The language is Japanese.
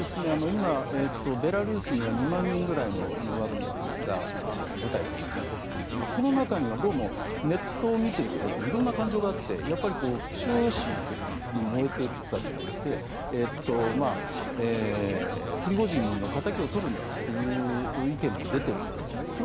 今、ベラルーシには２万人ぐらいのワグネルが部隊として残っていてその中にはネットを見てるとどうもいろんな感情があって燃えている人たちもいてプリゴジンの仇をとるんだという意見も出ているんですね。